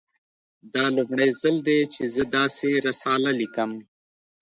دا لومړی ځل دی چې زه داسې رساله لیکم